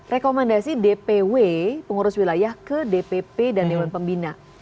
rekomendasi dpw pengurus wilayah ke dpp dan dewan pembina